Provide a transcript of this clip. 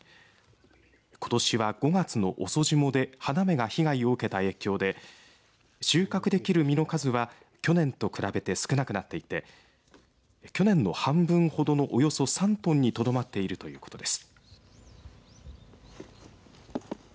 ことしは５月の遅霜で花芽が被害を受けた影響で収穫できる実の数は去年と比べて少なくなっていて去年の半分ほどのおよそ３トンにとどまっているということです。